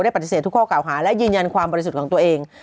ปฏิเสธทุกข้อเก่าหาและยืนยันความบริสุทธิ์ของตัวเอง